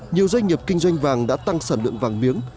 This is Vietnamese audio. nhiều doanh nghiệp kinh doanh vàng đã tăng sản lượng vàng miếng